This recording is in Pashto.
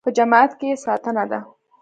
په جماعت کې یې ستانه ده.